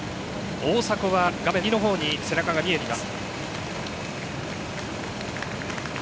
大迫は画面右のほうに背中が見えています。